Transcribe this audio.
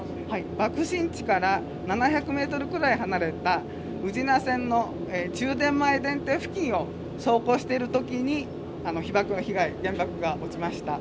爆心地から７００メートルくらい離れた宇品線の中電前電停付近を走行している時に被爆の被害原爆が落ちました。